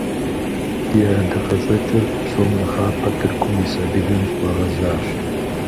Ди ӀэдакъэщӀэкӀыр, псом нэхъапэ, Тыркум ис адыгэм хуэгъэзащ.